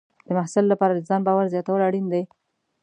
د محصل لپاره د ځان باور زیاتول اړین دي.